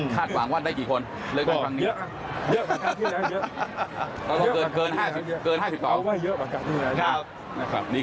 คาดฝั่งว่าได้กี่คนเรียกว่าครั้งนี้